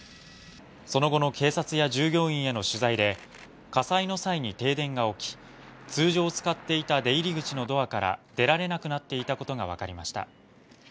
その後の警察や従業員への取材で火災の際に停電が起き通常使っていた出入り口のドアから出られなくなっていたことが分かりました。